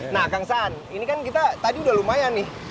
nah kang saan ini kan kita tadi udah lumayan nih